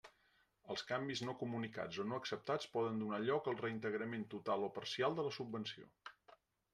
Els canvis no comunicats o no acceptats poden donar lloc al reintegrament total o parcial de la subvenció.